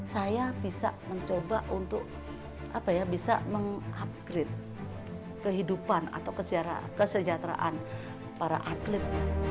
saya bisa mencoba untuk bisa mengupgrade kehidupan atau kesejahteraan para atlet